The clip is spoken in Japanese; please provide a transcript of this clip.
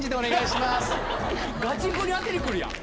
ガチンコに当ててくるやん！